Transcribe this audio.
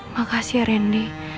makasih ya reddy